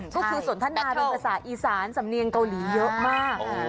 ก็คือสนทนาเป็นภาษาอีสานสำเนียงเกาหลีเยอะมาก